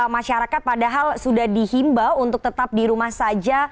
masyarakat padahal sudah dihimbau untuk tetap di rumah saja